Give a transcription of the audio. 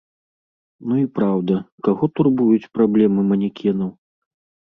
Ну і праўда, каго турбуюць праблемы манекенаў?